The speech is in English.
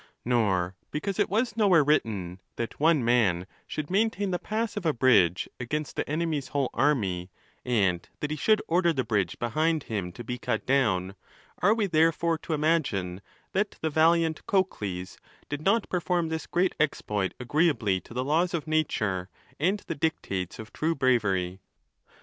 Nor, because it was nowhere written, that one man should maintain the pass of a bridge against the enemy's whole army, and that he should order the bridge behind him to be cut down, are we therefore to imagine that the valiant Cocles did not perform this great exploit agreeably to the laws of nature and the dictates of true bravery.